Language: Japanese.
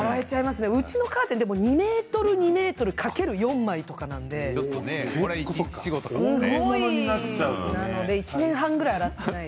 うちのカーテン２ｍ２ｍ×４枚とかなので１年半ぐらい洗っていない。